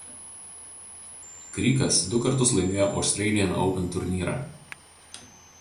Krykas du kartus laimėjo Australian Open turnyrą.